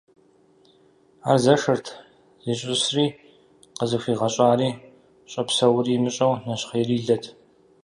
Ар зэшырт, зищӀысри, къызыхуигъэщӀари, щӀэпсэури имыщӀэу, нэщхъеирилэт.